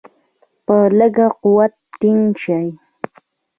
په لږ قوت ټینګ شي.